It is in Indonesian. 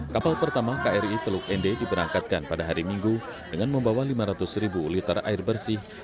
kapal pertama kri teluk ende diberangkatkan pada hari minggu dengan membawa lima ratus ribu liter air bersih